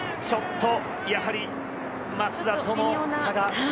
ちょっとやはり松田との差が。